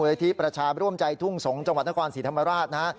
มุลถิประชาร่วมใจทุ่งสงค์จังหวัดนครสรีธรรมราช